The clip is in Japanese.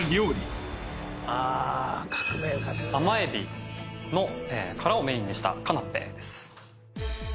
革命甘エビの殻をメインにしたカナッペです